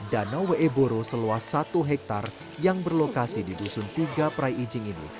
danau weeboro seluas satu hektare yang berlokasi di dusun tiga prai ijing ini